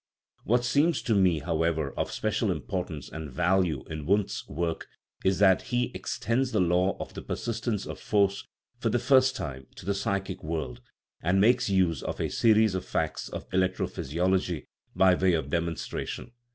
What seems to me, however, of spe cial importance and value in Wundt's work is that he " extends the law of the persistence of force for the first time to the psychic world, and makes use of a series of facts of electro physiology by way of demon stration."